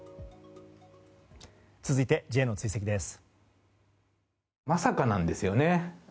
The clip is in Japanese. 続いて、Ｊの追跡です。